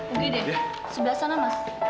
ugd sebelah sana mas